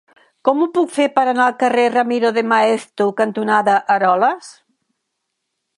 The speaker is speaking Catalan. Com ho puc fer per anar al carrer Ramiro de Maeztu cantonada Aroles?